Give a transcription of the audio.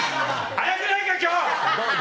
早くないか今日！